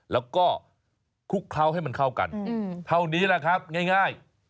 แล้วก็คลุกเคล้าให้มันเข้ากันเท่านี้แหละครับง่าย